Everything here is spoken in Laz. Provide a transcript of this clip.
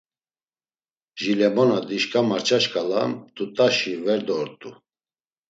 Jilemona dişǩa març̌a şǩala, mt̆ut̆aşi vedro ort̆u.